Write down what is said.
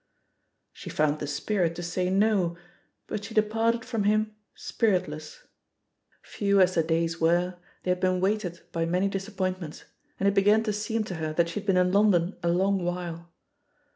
She found the spirit to say "no" ; but she de parted from him spiritless. Few as the days were, they had been weighted by many dis appointments, and it began to seem to her that she had been in London a long while.